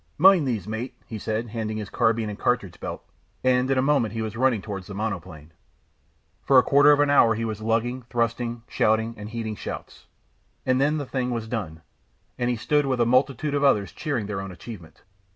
"Mind these, mate," he said, handing his carbine and cartridge belt; and in a moment he was running towards the monoplane. For a quarter of an hour he was lugging, thrusting, shouting and heeding shouts, and then the thing was done, and he stood with a multitude of others cheering their own achievement.